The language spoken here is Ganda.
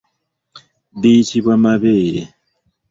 Biyitibwa mabeere.